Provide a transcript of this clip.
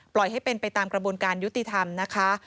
ให้เป็นไปตามกระบวนการยุติธรรมนะคะ